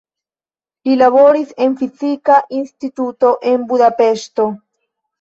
Li laboris en fizika instituto en Budapeŝto.